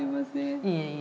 いえいえ。